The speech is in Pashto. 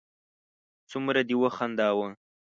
څومره دې و خنداوه